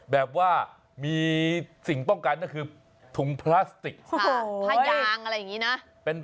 แบบว่ามีสิ่งป้องกันก็คือถุงพลาสติกผ้ายางอะไรอย่างนี้นะ